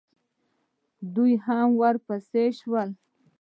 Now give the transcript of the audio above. دوئ هم ورپسې شول.